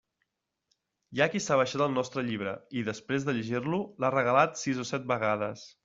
Hi ha qui s'ha baixat el nostre llibre i, després de llegir-lo, l'ha regalat sis o set vegades.